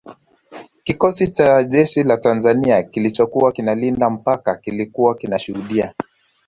Kikosi cha jeshi la Tanzania kilichokuwa kinalinda mpaka kilikuwa kinashuhudia